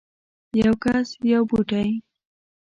یو کس یو بوټی